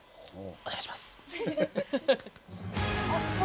お願いします。